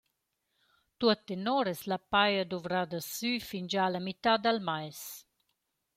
Tuot tenor es la paja dovrada sü fingià la mità dal mais.